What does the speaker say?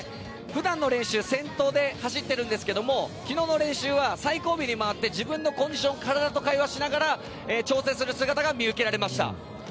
普段の練習先頭で走っているんですが昨日の練習は最後尾に回って自分のコンディション体と会話しながら調整する姿が見受けられました。